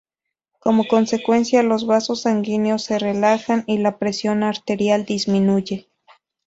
Como consecuencia, los vasos sanguíneos se relajan y la presión arterial disminuye.